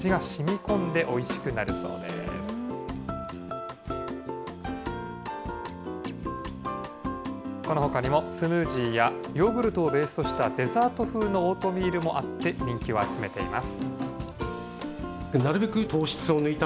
このほかにも、スムージーやヨーグルトをベースとしたデザート風のオートミールもあって、人気を集めています。